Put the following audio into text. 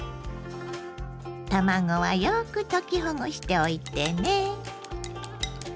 卵はよく溶きほぐしておいてね。